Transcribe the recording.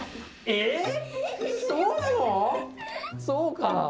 そうか。